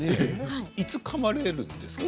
いつ、かまれたんですか？